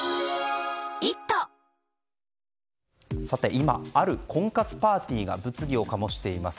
今、ある婚活パーティーが物議を醸しています。